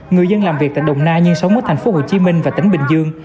người dân làm việc tại đồng nai nhưng sống ở thành phố hồ chí minh và tỉnh bình dương